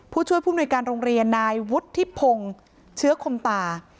ผู้ช่วยภูมิโดยการโรงเรียนนายวุฒิเชื้อคมตา